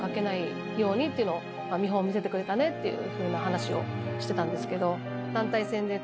見本見せてくれたねっていう話をしてたんですけど。